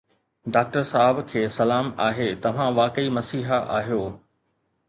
doctor صاحب کي سلام آهي توهان واقعي مسيحا آهيو